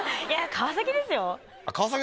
川崎です